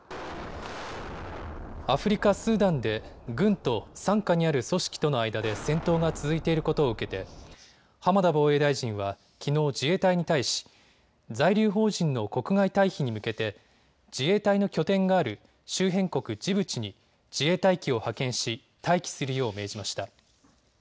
アフリカ・スーダンで軍と傘下にある組織との間で戦闘が続いていることを受けて浜田防衛大臣はきのう自衛隊に対し在留邦人の国外退避に向けて自衛隊の拠点がある周辺国ジブチに自衛隊機を派遣し待機するよう命じました。